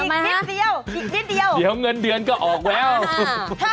นิดเดียวอีกนิดเดียวเดี๋ยวเงินเดือนก็ออกแล้ว